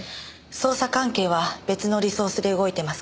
捜査関係は別のリソースで動いてますから。